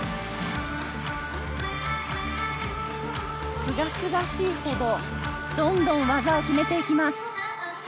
すがすがしいほどどんどん技を決めていきます。